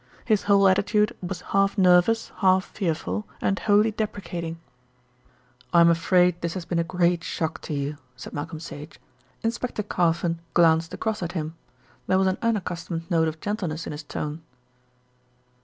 His whole attitude was half nervous, half fearful, and wholly deprecating. "I'm afraid this has been a great shock to you," said Malcolm Sage. Inspector Carfon glanced across at him. There was an unaccustomed note of gentleness in his tone.